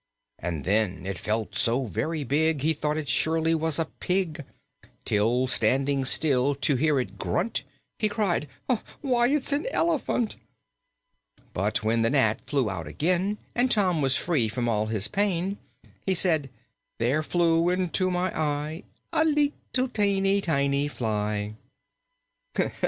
"And then, it felt so very big, He thought it surely was a pig Till, standing still to hear it grunt, He cried: 'Why, it's an elephunt!' "But when the gnat flew out again And Tom was free from all his pain, He said: 'There flew into my eye A leetle, teenty tiny fly.'"